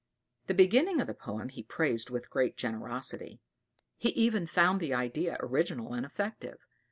The beginning of the poem he praised with great generosity: he even found the idea original and effective.